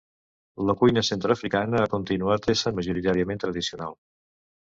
La cuina centreafricana ha continuat essent majoritàriament tradicional.